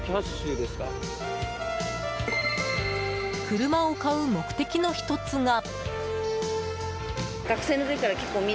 車を買う目的の１つが。